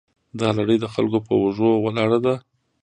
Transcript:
دا لړۍ د خلکو په اوږو ولاړه ده.